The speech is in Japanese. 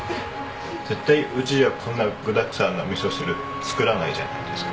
絶対うちじゃあこんな具だくさんなみそ汁作らないじゃないですか。